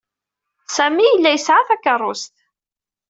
Sami yella yesɛa takeṛṛust.